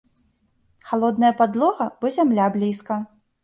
Халодная падлога, бо зямля блізка.